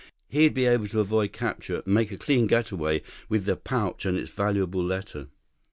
He'd be able to avoid capture, make a clean getaway with the pouch and its valuable letter.